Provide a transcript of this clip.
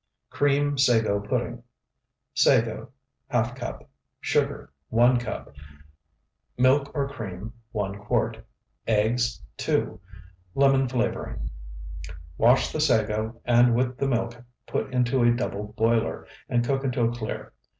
CREAM SAGO PUDDING Sago, ½ cup. Sugar, 1 cup. Milk or cream, 1 quart. Eggs, 2. Lemon flavoring. Wash the sago, and with the milk put into a double boiler, and cook until clear.